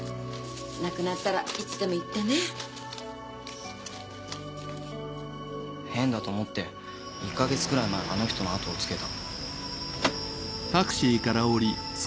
なくなったらいつでも言ってね変だと思って１か月くらい前あの人の後をつけた。